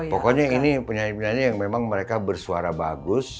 pokoknya ini penyanyi penyanyi yang memang mereka bersuara bagus